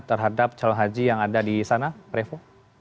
terhadap calon haji yang ada di sana revo